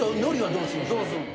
どうすんの。